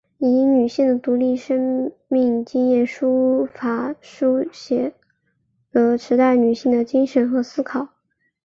以女性的独特生命经验书法抒写了时代女性的精神和思考。